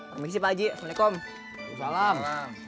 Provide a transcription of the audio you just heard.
permisi pak haji waalaikumsalam